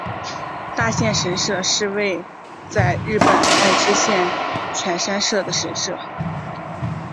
大县神社是位在日本爱知县犬山市的神社。